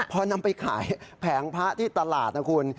พอนำไปขายแผงพระที่ตลาดนะคุณ